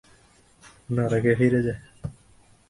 নরকে ফিরে যা।